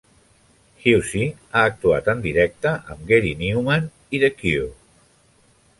Hussey ha actuat en directe amb Gary Numan i The Cure.